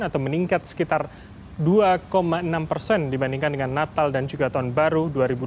atau meningkat sekitar dua enam persen dibandingkan dengan natal dan juga tahun baru dua ribu dua puluh satu dua ribu dua puluh dua